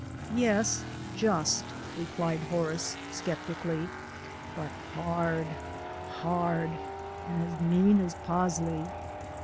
"Yes, just," replied Horace, "but hard hard, and as mean as pusley."